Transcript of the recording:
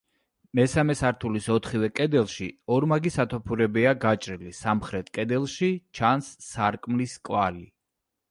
მესამე სართულის ოთხივე კედელში ორმაგი სათოფურებია გაჭრილი სამხრეთ კედელში ჩანს სარკმლის კვალი.